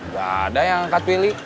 gak ada yang angkat pilih